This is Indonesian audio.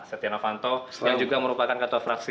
setia novanto yang juga merupakan ketua fraksi